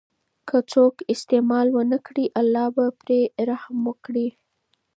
که څوک استعمال ونکړي، الله به پرې رحم وکړي.